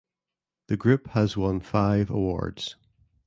The group has won five awards.